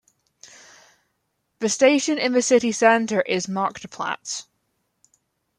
The station in the city center is "Marktplatz".